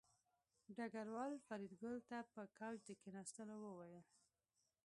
ډګروال فریدګل ته په کوچ د کېناستلو وویل